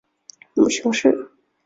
母熊氏。